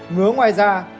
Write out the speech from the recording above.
một mươi bốn ngứa ngoài da